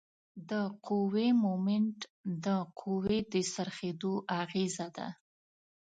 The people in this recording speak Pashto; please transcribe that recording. د قوې مومنټ د قوې د څرخیدو اغیزه ده.